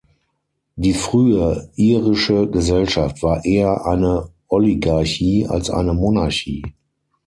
Die frühe irische Gesellschaft war eher eine Oligarchie als eine Monarchie.